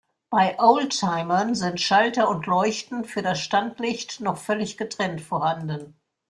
Bei Oldtimern sind Schalter und Leuchten für das Standlicht noch völlig getrennt vorhanden.